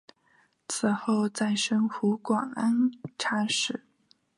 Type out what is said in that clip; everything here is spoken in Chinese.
此后再升湖广按察使。